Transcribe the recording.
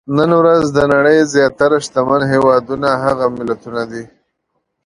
نن ورځ د نړۍ زیاتره شتمن هېوادونه هغه ملتونه دي.